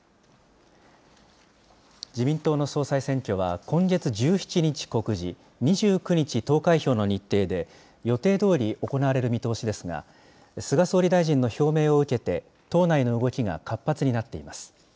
自民党の総裁選挙は、今月１７日告示、２９日投開票の日程で、予定どおり行われる見通しですが、菅総理大臣の表明を受けて、党内の動きが活発になっています。